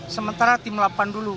sementara tim delapan dulu